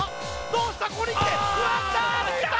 どうしたここにきて決まった抜いた！